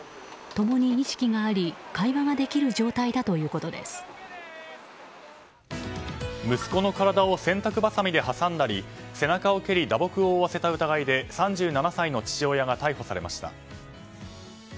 ともに意識があり会話はできる状態だ息子の体を洗濯ばさみで挟んだり背中を蹴り打撲を負わせた疑いで３７歳の父親が逮捕されました。